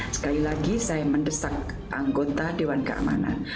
sekali lagi saya mendesak anggota dewan keamanan